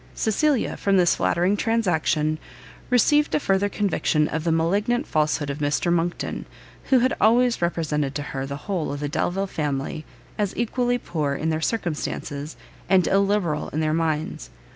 Cecilia, from this flattering transaction, received a further conviction of the malignant falsehood of Mr Monckton, who had always represented to her the whole of the Delvile family as equally poor in their circumstances, and illiberal in their minds.